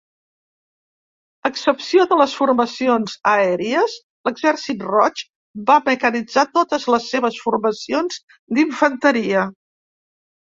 A excepció de les formacions aèries, l'Exèrcit Roig va mecanitzar totes les seves formacions d'infanteria.